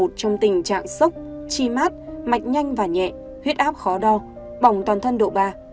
trong tình trạng sốc chi mát mạch nhanh và nhẹ huyết áp khó đo bỏng toàn thân độ ba